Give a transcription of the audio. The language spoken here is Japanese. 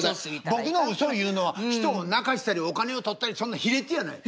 僕の嘘いうのは人を泣かしたりお金を取ったりそんな卑劣やない。